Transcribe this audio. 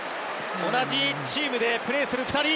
同じチームでプレーする２人。